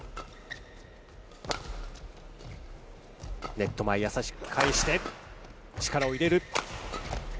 ネット前、優しく返して、力を入れる。